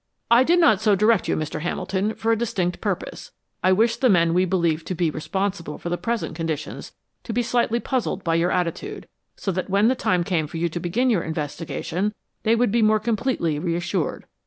"I did not so direct you, Mr. Hamilton, for a distinct purpose. I wished the men we believe to be responsible for the present conditions to be slightly puzzled by your attitude, so that when the time came for you to begin your investigation, they would be more completely reassured.